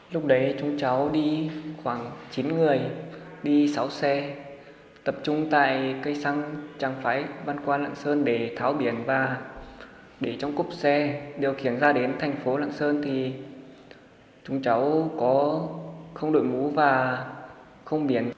lúc đấy chúng cháu đi khoảng chín người đi sáu xe tập trung tại cây xăng trang phái văn qua lạng sơn để tháo biển và để trong cốp xe điều khiển ra đến thành phố lạng sơn thì chúng cháu không đổi mũ và không biển